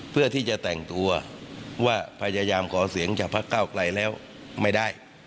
เพื่อที่จะแต่งตัวว่าพยายามขอเสียงจากพักเก้าไกลแล้วไม่ได้